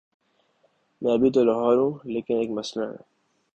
میں ابھی تو لاہور ہوں، لیکن ایک مسلہ ہے۔